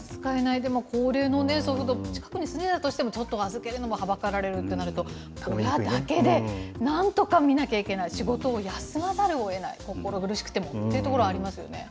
でも高齢の祖父母が近くに住んでたとしても、ちょっと預けるのもはばかられるとなると、親だけで、なんとか見なきゃいけない、仕事を休まざるをえない、心苦しくてというところもありますよね。